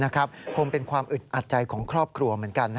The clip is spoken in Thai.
คงเป็นความอึดอัดใจของครอบครัวเหมือนกัน